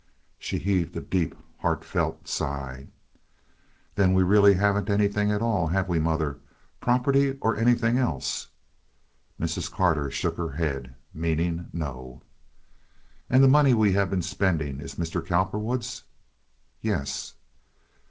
She heaved a deep, heartfelt sigh. "Then we really haven't anything at all, have we, mother—property or anything else?" Mrs. Carter shook her head, meaning no. "And the money we have been spending is Mr. Cowperwood's?" "Yes."